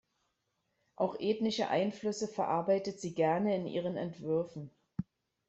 Auch ethnische Einflüsse verarbeitet sie gerne in ihren Entwürfen.